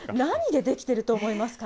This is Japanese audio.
何で出来ていると思いますか？